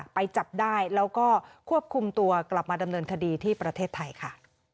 ไปจับได้แล้วก็ควบคุมตัวกลับมาดำเนินคดีที่ประเทศไทยค่ะ